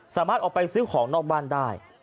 สามารถออกไปซื้อของนอกบ้านได้